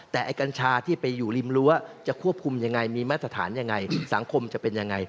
แต่ไอ้กัญชาที่ไปอยู่ริมรั้วจะควบคุมยังไงมีมาตรฐานยังไงสังคมจะเป็นยังไง